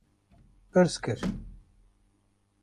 Pirs kir: